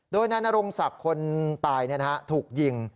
โดยนายนรงศักดิ์คนตายถูกยิง